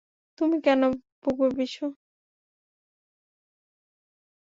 তুমি কেন ভুগবে, বিশু?